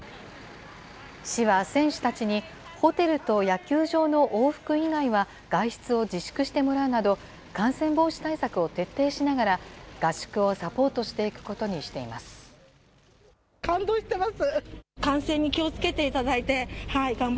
市は選手たちに、ホテルと野球場の往復以外は外出を自粛してもらうなど、感染防止対策を徹底しながら、合宿をサポートしていくことにしています。